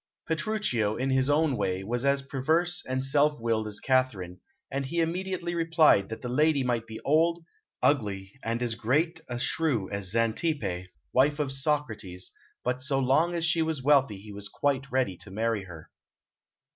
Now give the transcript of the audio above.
Petruchio, in his own way, was as perverse and self willed as Katharine, and he immediately replied that the lady might be old, ugly, and as great a shrew as Xantippe, wife of Socrates, but so long as she was wealthy he was quite ready to marry her.